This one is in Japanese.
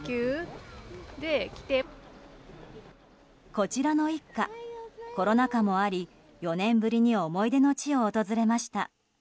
こちらの一家コロナ禍もあり４年ぶりに思い出の地を訪れました。